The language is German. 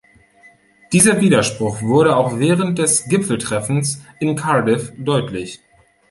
Dieser Widerspruch wurde auch während des Gipfeltreffens in Cardiff deutlich.